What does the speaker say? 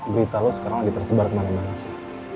berita lo sekarang lagi tersebar kemana mana sih